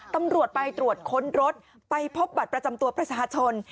ตำรวจไปตรวจค้นรถไปพบบัตรประจำตัวประชาชน